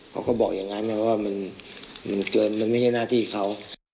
เขาก็บอกอย่างนั้นนะว่ามันเกินมันไม่ใช่หน้าที่เขา